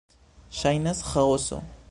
Ŝajnas ĥaoso...